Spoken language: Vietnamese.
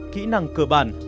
kỹ năng cơ bản